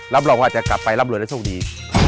รับรองว่าจะกลับไปร่ำรวยและโชคดี